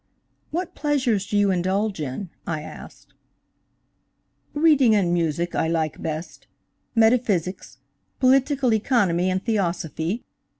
"What pleasures do you indulge in?" I asked. "Reading and music I like best; metaphysics, political economy and theosophy.